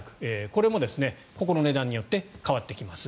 これも、ここの値段によって変わってきます。